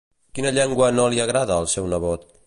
Quina llengua no li agrada al seu nebot?